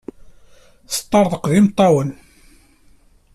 Teṭṭerḍeq d imeṭṭawen.